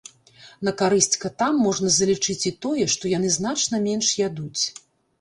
На карысць катам можна залічыць і тое, што яны значна менш ядуць.